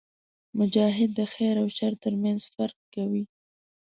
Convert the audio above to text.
مجاهد د خیر او شر ترمنځ فرق کوي.